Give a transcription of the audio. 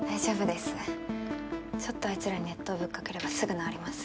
ちょっとあいつらに熱湯ぶっかければすぐなおります。